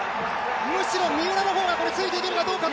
むしろ三浦の方がついていけるのかどうか。